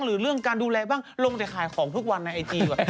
หรือเรื่องการดูแลบ้างลงแต่ขายของทุกวันในไอจีแบบนี้